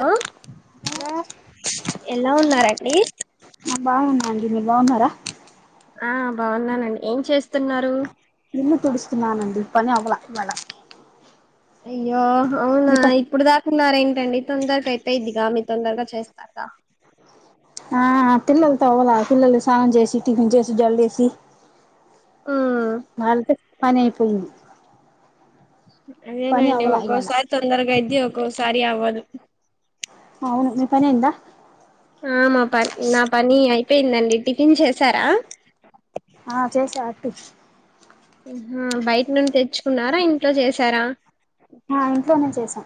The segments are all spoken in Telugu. హలో ఎలా ఉన్నారండి బాగున్నాండి మీరు బాగున్నారా ఆ బాగున్నానండి ఏం చేస్తున్నారు ఇళ్లు తుడుస్తున్నా నండి పని అవ్వలా ఇవాళ అయ్యో అవునా మీ ప ఇప్పుడు దాకున్నారు ఏంటండి తొందరకి అయిపేద్ది గా మీ తొందరగా చేస్తన్నా ఆ పిల్లలతో అవ్వల పిల్లలు స్నానం చేసి టిఫిన్ చేసి జళ్ ఏసి ఉమ్ వాళ్ళతో పని అయిపోయింది. అదేనా పని అండి అవ్వలా ఇవాళ ఒక్కొసారి తొందరగా అయిద్ది ఒక్కోసారి అవ్వదు అవును మీ పని అయిందా ఆ మా పని నా పని అయిపేయిందండి టిఫిన్ చేసారా. ఆ చేసా అటు ఆహా బయటి నుండి తెచ్చుకున్నారా ఇంట్లో చేసారా. ఆ ఇంట్లోనే చేసాం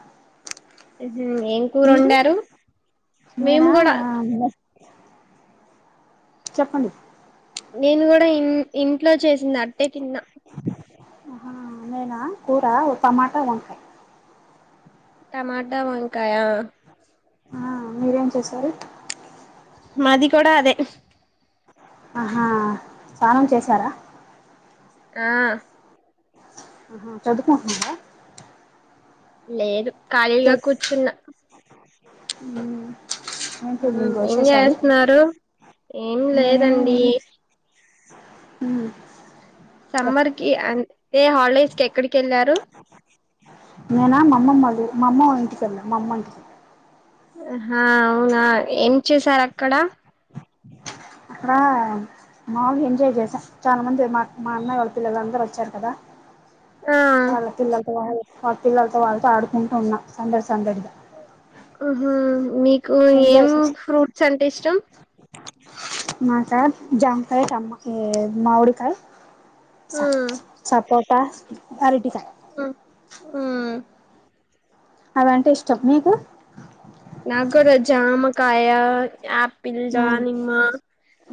హ్మ్ ఏం కూరు మీరు వండారు మేము నేనా కూడా చెప్పండి నేను కూడా ఇం ఇంట్లో చేసింది అట్టే తిన్నా అహా నేనా కూర టమాటా వంకాయ టమాటా వంకాయా ఆ మీరేం చేసారు మాది కూడా అదే ఆహా స్నానం చేశారా ఆ ఆహా చదువుకుంటున్నారా లేదు ఖాళీగా కూర్చున్న ము మ్మ్ ఏం చేస్తున్నారు మ్మ్ సమ్మర్ కి అంటే హాల్ డేస్ కి ఎక్కడికెళ్ళార్ నేనా మామ్మమ్మ ళ్ది ఊర్ మామ్మ వాళ్ ఇంటికెళ్ళ మామ్మ ఇంటికి ఆహ అవునా ఏం చేసారు అక్కడ అక్కడా మాాగా ఎంజాయ్ చేసాారు చాలా మంది మా మా అన్నయ్య వాళ్ళతులేదు అందరుూ వచ్చారు కదా ఆ అలా పిల్లలతో కానీ వా పిల్లతో వాళ్ళతో ఆడుకుంటూ ఉన్నా సందడి సందడి ఉహుం మీ కు ఏం ఎంజాయ్ చేసా ఫ్రూట్స్ అంటే ఇష్టం మాకా జాంకాయ చెమ్మా మామిడికాయ ఉ స సపోట్ పాస్ అరటికాయ ఆ అవంటే ఇష్టం మీకు నాగరాజా ఆమ కాయ ఆ పిల్డు హ్మ్ నిమ్మ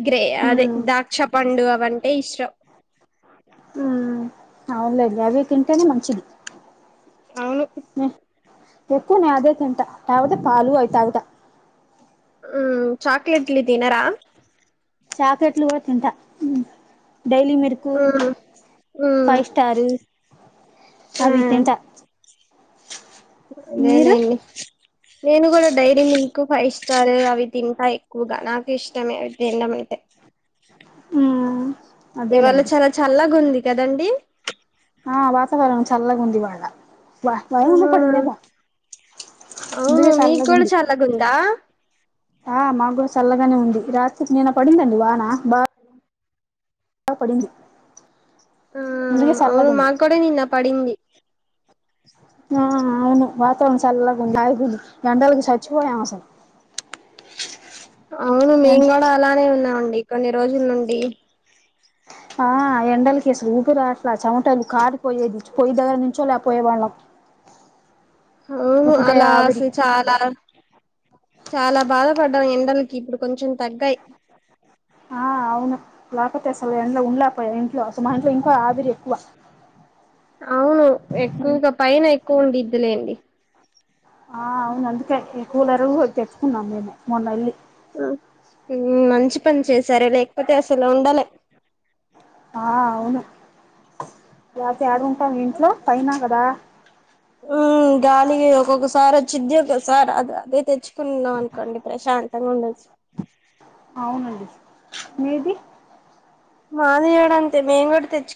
గ్రే అదే హ్మ్ దాక్ష పండు అవంటే ఇష్ట్ర హ్మ్ అవునులేండి అవి తింటేనే మంచిది అవును నే ఎకునే అదే తంటా యావద పాలు అయితావుదా ఉమ్, చాక్లెట్లు తినరా చాకెట్లు కూడా తింటా డైలీ మరకు ఉ ఫైవ్ ఉ స్టారు అవితేంత అదేన అండి నేను కూడా డైర ఎక్ ఫైవ్ స్టార్ అవి తింటా ఎక్కువగా ఇష్టమేవి తడం అయితే మ్మ్ ఇవాళ అదేలేండి చాలా చల్లగా ఉంది కద ఎదండి ఆ వాతావరణం చల్లగా ఉంది వాళ అ అహా మ్మ్ ఆ అవును అందుకే మీ చల్లగా కూడా ఉంది చల్లగుందా ఆ మా కూడా చల్లగానే ఉంది రాత్రిపు నేను పడిందండి వాన అఖబా పడింది ఆ అందుకే అవును చల్లగా ఉంది మార్కోడే నిన్ పడిందంది ఆ అవును వాతావరణం చలకు ఆయిపోంది గండలకి చచ్చిపోయాం అసలు అవును మేము కూడా అసలు అలానే ఉన్నాం అ కొన్ని రోజుల నుండి ఆ ఎండలకిసులు ఊపిరి ఆడట్ల చెమటాలు కార్ పో పోయి దగర నుంచోలేపోయేవాళ్ళం అవును అలా ఆవిరి అసలు చాలా చాలా బాధపడ్డ ఎండలకి ఇప్పుడు కొంచెం తగ్గాయి ఆ అవును లేకపోతే అసలు ఎంలో ఉండలేపో ఇంట్లో అసలు మా ఇంట్లో ఇంకా ఆవిరి ఎక్కువ అవును ఎక్కువగా పైన ఎక్కువ ఉండిదిలెండి ఆ అవునందుకే ఇంకా కూలరు పెట్టుకున్నాం మేము మొన్న వెళ్ళి మంచి పని చేస్త సరే లేకపోతే అసలా ఉండాలే ఆ అవును లేతే ఏడుంటం ఇంట్లో పైన కదా ఉ గాలి ఒక్కొక్కసారి [unintelligible] సార్ అది అదే తెచ్చుకున్నాం అనుకోండి ప్రశాంతంగా ఉండొచ్చు అవునండి మీది మాదియోడ అంతే మేన్ కూడా తెచ్చు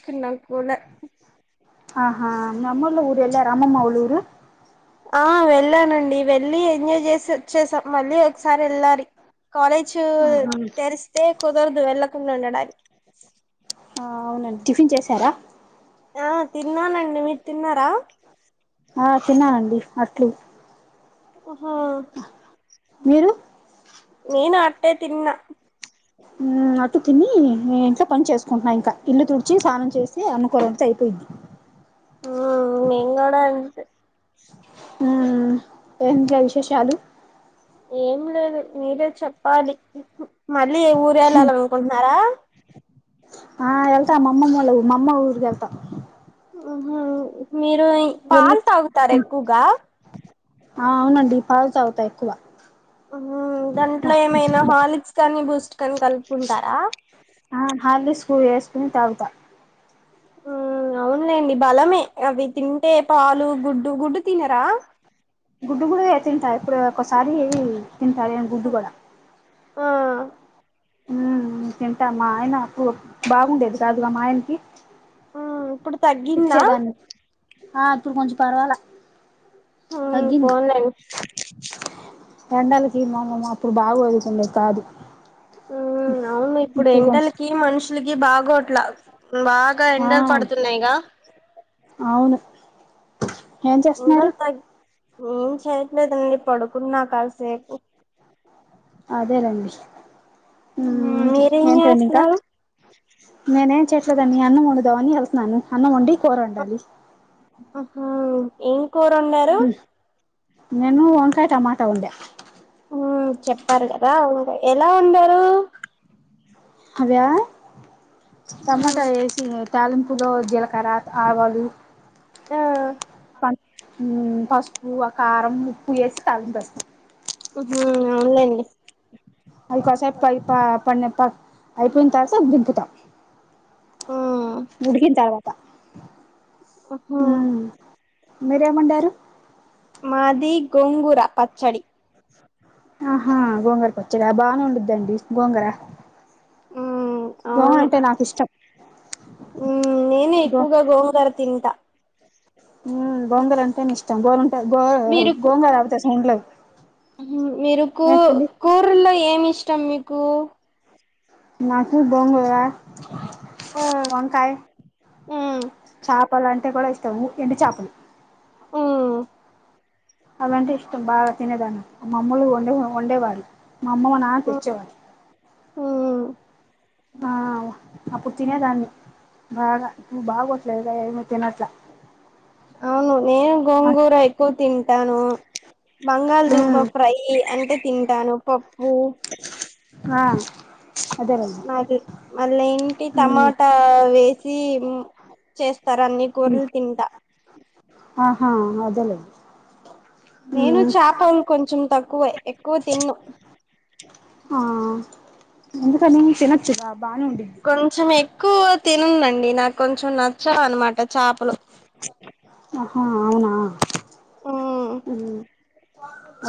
ఆహా మమ్మల ఊరు వెళ్ళారా అమ్మమ్మ వాళ ఊరు ఆ వెళ్ళానండి వెళ్ళలి ఎంజాయ్ చేసి వాచ్ వచ్చేసా మళ్ళీ ఒకసారి వెళ్ళాలి కాలేజ్ ఆహా తెరిస్తే కుదరదు వెళ్ళకుండా ఉండడానికి అవునండి టిఫిన్ చేశారా ఆ తిన్నానండి మీరు తిన్నారా ఆ తిన్నానండి అట్లు ఓహ మీరు నేను అట్టే తిన్నా మ్మ్ అట్టు తిని నే ఇంట్లో పని చేసుంటున్నాను ఇంకా ఇల్లు తుడిచి స్నానం చేసి అన్నం కూరా వుండు తే అయిపోయిది మ్మ్ మేం కూడా అంతే హ్మ ఏందే విశేషాలు ఏం లేదు మీరే చెప్పాలి మళ్ళీ ఏ ఊరే ఎళ్ళాలనుకుంటున్నారా ఆ ఎళ్తా మామ్మమ్మోళ్ళ మామ్మ ఊర్కి ఎళ్తా ఆహా మీరు పాలు తాగుతారు ఎక్కువగా తక్కువ ఊహూ దాంట్లో ఏమైనా హాలిట్స్ కానీ బూస్ట్ కాని కలుపుకుంటారా ఆ హార్లిక్స్ వేసుకుని తాగుతా ఊ అవునులేండి బలమే అవి తింటే పాలు గుడ్డు గుడ్డు తినరా గుడ్డు గూడా ఏ తింటా ఇప్పుడువ ఒక సారీ తిన్ తాలీను గుడ్డు కూడ ఆ మ్ తింటా మా ఆయన [unintelligible] బాగుండేది కాదుగా మాఆయనకి ఇప్పుడు తగ్గిందా ఇచ్చేదాన్ని ఆ ఇప్పుడు కొంచెం పర్వాలా తగ్గింది పోన్లేండి ఎండలకిమా మా మా ప్పుడు బాగోదు ఉమ్ అవును ఇప్పుడు ఎండలకి మనుషుల కి బాగో ట్లా బాగా ఆ ఎండలు పడుతున్నాయిగా అవును ఏం చేస్తున్నారు ఉం చేయట్లేదండి పడుకున్నా కాస్ అదే రండి ఉమ్ మీరేం ఏంటండీ ఇంకా చేస్తున్నారు నేనేం చేసేదాన్ని అన్నం వండు దోని [unintelligible] నను అన్నం వొండి కూరొండాలి ఉమ్ ఎ ఉహ్ మేము వంకాయ్ టమా త వండా ఊ చెప్పారు కదా ఉంట [unintelligible] ఎలా వొండారు అవ్యా మ్మ్ టమాటా వేసి తాలింపులో జీలకర్ర ఆవాలు ఆ [unintelligible] పసుపు ఆ కారం ఉప్పు వేసి తళింపేస్తాం హ అవునులేండి అదికోసేపు పైప పన్నాక అయిపోయిన తర్వాత దింపుతాం మ్మ్ ఉడికిన తర్వాత [unintelligible] ఊ హూ మీరెవండారు మాది గొంగుర పచ్చడి ఆహా గోంగర పచ్చడా బానే ఉండద్దండి గోంగర మ్మ్ అవును ఊ నేనే ఎక్కువగా గోంగర తింటా ఉ గోంగూర అంటేనే ఇష్ట గోలుంటది గో మీరు కు గోంగూర రాపోతసం ఉండ్లే మ్హూ మీరు కూ కూరల్లో ఏమి ఇష్ ఇష్ట మీకు నాకు బొంగుగా ఆ వంకాయ మ్మ్ చేపలు అంటే కూడా ఇష్టం ఎండు చేపలు ఆ అదంటే ఇష్టం బాగా తినేదాన్ని మామ్మమ్లుండ ఉండేవాడి మా అమ్మ నాన్న తెచ్చేవాాల ఊ ఆ అపుడు తీనే దాన్ని బాగా ఇవ బాగా వ లేదా ఏమి తినట్లా అవును నేను గోంగూర ఎక్కువ తింటాను. బంగాళదుంప మ్మ్ ఫ్రై అంటే తింటాను పప్పు ఆ అదేనండి మలి మళ్ళీ ఇంటి టమాటా మ్మ్ వేసి [unintelligible] చేస్త [unintelligible] ఆహా అదలే నేను చేపల్ కొంచెం తగ్ ఎక్కువే ఎక్కువ తిన్ ఆ ఎందుకని తినొచ్చు గా బానేఉంది క్కు తినుందండి నాకు కొంచెం నచ్చ అనమాట చాపలు ఆహా అవునా హోమ్ మ్మ్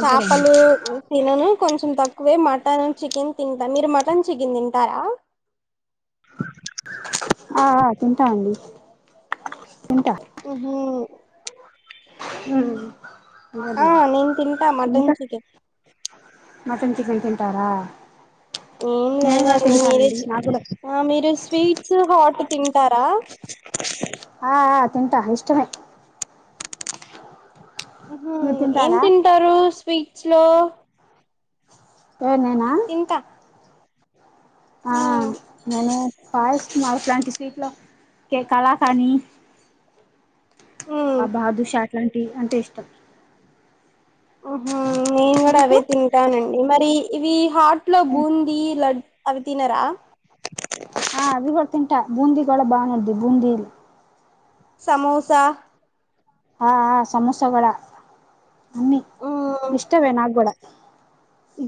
అదేలేండి తినను కొంచెం తక్కువే మటన్ చికెన్ తింటా. మీరు మటన్ చికెన్ తింటారా? ఆ ఆ తింటా అండి తింటా ఓహో హమ్ నేను తింటా అంత మటన్ చికెన్ మటన్ చికెన్ తిన్ తరా ఏం లేదండి మీరే చెప్ కూడా ఆ మీరు స్వీట్స్ హాట్ తింటారా ఆ ఆ తింటా ఇష్టమే హ మీరు ఏం తింటారా తింటారు స్వీట్స్ లో ఏ నేనా తింటా ఆ నేనే ఫయి మా ఫ్లాంటి సీట్లో ఏకల కానీ ఆ ఉమ్ బాదుషా అట్లాటి అంటే ఇష్టం ఆహ నేను కూడా అవే మీకు తింటానండి మరి ఇవి హాట్ లో బూందీ లడ్ అవి తినరా ఆ అవి బర్తిన్ బూందీ కూడా బాగు ఉంటది బూందీ సమోసా ఆ ఆ సమాసగుడ మమ్మీ ఉమ్ ఇష్టవే నాక్కూడా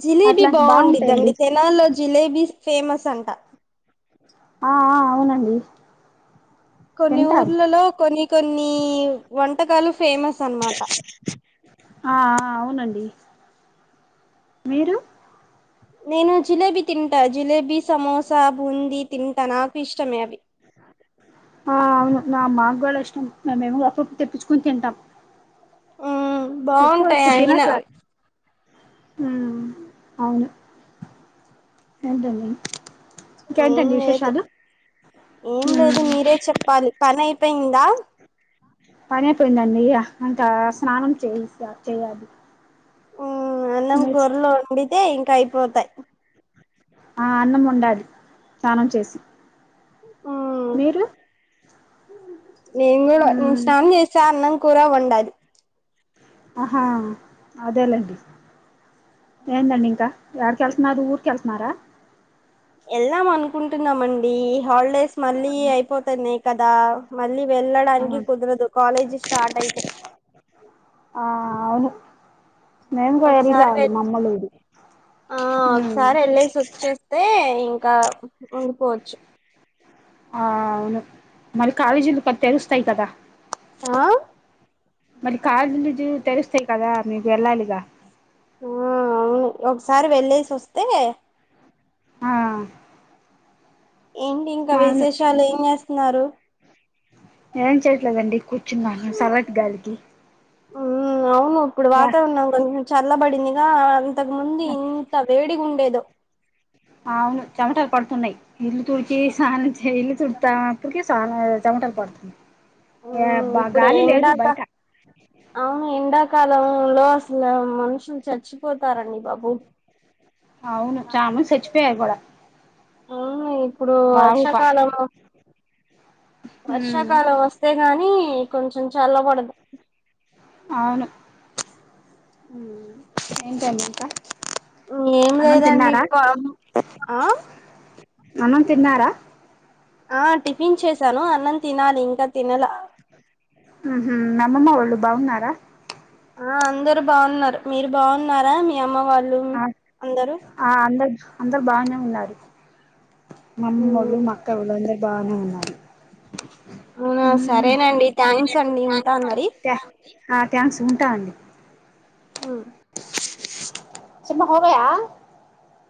జిలేబీ బాగుంది బాగుంటాయండి దాని తెనాల్లో జిలేబీ ఫేమస్ అంట ఆ ఆ అవునండి కొన్ని తింటారు ఊర్లలో కొన్ని కొన్ని వంటకాలు ఫేమస్ అనమాట ఆ ఆ అవునండి మీరు నేను జిలేబీ తింటా జిలేబీ సమోసా బూందీ తింటా నాకు ఇష్టమే అవి ఆ అవును నామ్ మాకు కూడా ఇష్టం మేమేమో అప్పుడప్పుడు తెప్పించుకొని తింటాం ఉ బాగుంటాయి అంగిన ఉ అవును ఏంటండి ఏం ఇంకేంటండి లేదు విశేషాలు ఏం లేదు ఉమ్ మీరే చెప్పాలి పని అయిపోయిందా ఆ స్నానం చేయిస్తా చేయాలి హ్మ్ అన్నం కూరలు వండితే ఇంకా అయిపోతాయ్ ఆ అన్నం వండాలి స్నానం చేసి హ్మ్ మీరు నేను కూడా నేను మ్మ్ స్నానం చేసా అన్నం కూర వండాలి అహా అదేలేండి ఏందండి ఇంకా యాడికి ఎళ్తున్నారు ఊరికి ఎళ్తున్నారా ఎళ్దాం అనుకుంటున్నామండి ఈ హాలిడేస్ మళ్ళీ అయిపోతన్నాయ్ కదా మళ్ళీ ఆ వెళ్ళడానికి కుదురుదు కాలేజీ స్టార్ట్ అయితే ఆ అవును మేము కూడా వెళ్ళి ఒకసారి వె రావాలి మా అమ్మోళ్ళూరు ఆ మ్మ్ ఒకసారి వెళ్ళేసి వచ్చేస్తే ఇంకా ఉండిపోచ్చు ఆ అవును మరి కాలేజ్ ఇల్ పతస్త సై కదా ఆ మరి కా [unintelligible] తెలుస్తాయి కదా మీకు వెళ్ళాలిగా ఆ అవును ఒకసారి వెళ్ళేసి వస్తే ఆ ఏంటి ఇంకా అవును విశేషాలు ఏం చేస్తా న్నారు ఏం చేయట్లేదండి కూర్చున్నాను సల్లటి గాలికి ఉమ్ అవును ఇప్పుడు గా వాతావరణం కొంచెం చల్లబడింది ఆ అంతక ముందు ఇంత వేడిగుండేదో అవును చెమటలు పడుతున్నాయ్ ఇల్లు తుడుచి స్నానం చే ఇల్లు తు [unintelligible] కి చాలా చమటలు పడుతున్నా ఇప్పుడు ఎండాక అవును ఎండాక కాలంలో అసలు మనుషుని చచ్చి అవును చాన్ మ సచ్చిపోయారు కూడా అవును ఇప్పుడు బావుగా వర్షాకాలం ఉమ్ వర్షాకాలం వస్తే గాని కొంచెం చల్ల పడదు అవును మ్మ్ ఏంటంటి ఇంక ఏం అన్నం లేదండి తిన్నారా ప ఆ అన్నం తిన్నారా ఆ టిఫిన్ చేసాను అన్నం తినాలి ఇంకా తినలా ఉమ్ హు నమ్మ్మ ఒళ్ళు బాగున్నారా ఆ అందరు బాగున్నారు మీరు బాగున్నారా మీ అమ్మవారు ఆ ఆ అందరు అందరు బానే ఉన్నారు ఉమ్, [unintelligible] బానేఉన్నారూ అవునా సరేనండి థ్యాంక్స్ అండి ఉంటాను మరి ఉంటామండి ఆ థ్యాంక్స్ ఉంటా సిన్మా హోగాయ